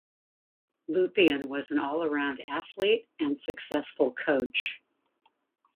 Lupien was an all-around athlete and successful coach.